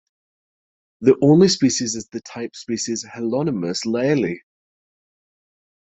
The only species is the type species Hylonomous lyelli.